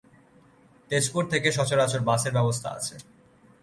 তেজপুর থেকে সচরাচর বাসের ব্যবস্থা আছে।